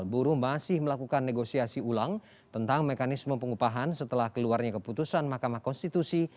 buruh masih melakukan negosiasi ulang tentang mekanisme pengupahan setelah keluarnya keputusan mahkamah konstitusi